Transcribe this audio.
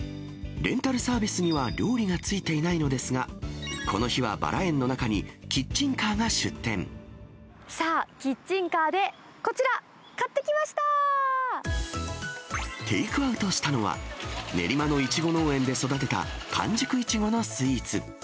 レンタルサービスには料理がついていないのですが、この日はバラさあ、キッチンカーでこちら、テイクアウトしたのは、練馬のいちご農園で育てた完熟いちごのスイーツ。